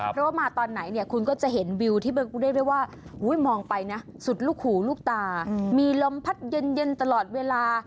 เพราะว่ามาตอนไหนเนี่ยคุณก็จะเห็นวิวที่เรียกได้ว่ามองไปนะสุดลูกหูลูกตามีลมพัดเย็นตลอดเวลา